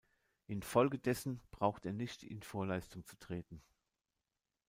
Infolgedessen braucht er nicht in Vorleistung zu treten.